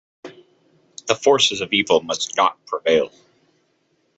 The forces of evil must not prevail.